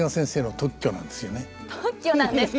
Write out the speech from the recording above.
特許なんですか。